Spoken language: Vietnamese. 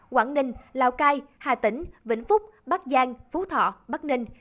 quảng ninh lào cai hà tĩnh vĩnh phúc bắc giang phú thọ bắc ninh